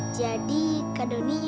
jadi kak doni